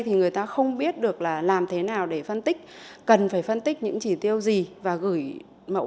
thì người ta không biết được là làm thế nào để phân tích cần phải phân tích những chỉ tiêu gì và gửi mẫu